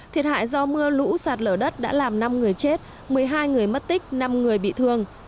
thiệt hại do mưa lũ sạt lở đất đã làm năm người chết một mươi hai người mất tích năm người bị thương